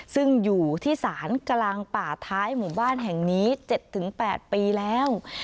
ซึ่งอยู่ที่สารกลางป่าท้ายหมู่บ้านแห่งนี้เจ็ดถึงแปดปีแล้ว